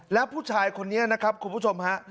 แล้วผู้ชายคนนี้นะครับคุณผู้ชมฮะ